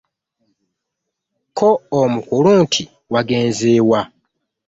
Ko omukulu nti "Wagenze wa?